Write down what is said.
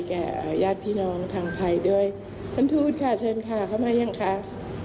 ญาติพี่น้องทางภัยด้วยท่านทูตค่ะเชิญค่ะเข้ามายังค่ะ